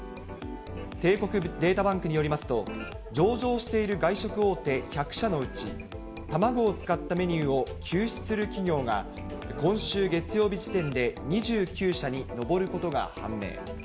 帝国データバンクによりますと、上場している外食大手１００社のうち、卵を使ったメニューを休止する企業が、今週月曜日時点で２９社に上ることが判明。